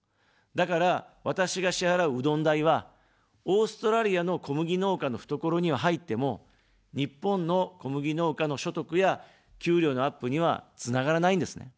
だから、私が支払う、うどん代は、オーストラリアの小麦農家の懐には入っても、日本の小麦農家の所得や給料のアップにはつながらないんですね。